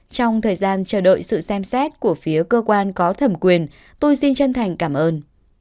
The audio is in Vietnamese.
trong thời gian chờ đợi sự xem xét của phía cơ quan có thẩm quyền tôi xin chân thành cảm ơn